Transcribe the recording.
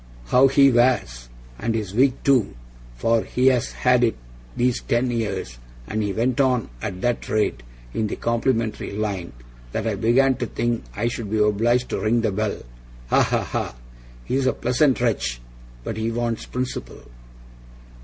How HE wears! and his wig too, for he's had it these ten years and he went on at that rate in the complimentary line, that I began to think I should be obliged to ring the bell. Ha! ha! ha! He's a pleasant wretch, but he wants principle.